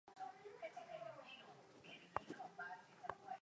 idadi kubwa ya abiria wa daraja la kwanza walikufa